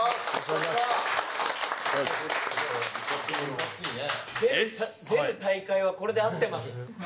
いかついね出る大会はこれで合ってます？